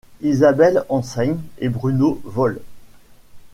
Isabelle enseigne et Bruno vole.